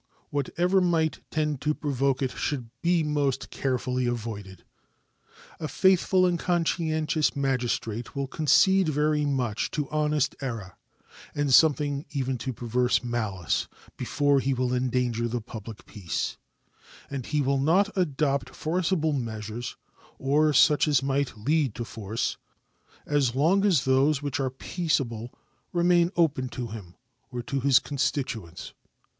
Whatever might tend to provoke it should be most carefully avoided. A faithful and conscientious magistrate will concede very much to honest error, and something even to perverse malice, before he will endanger the public peace; and he will not adopt forcible measures, or such as might lead to force, as long as those which are peaceable remain open to him or to his constituents.